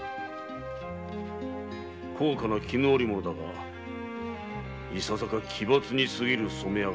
高価な絹織物だがいささか奇抜に過ぎるな。